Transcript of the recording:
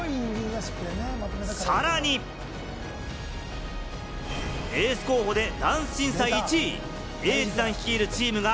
さらに、エース候補でダンス審査１位・エイジさん率いるチームが